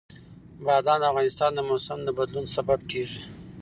بادام د افغانستان د موسم د بدلون سبب کېږي.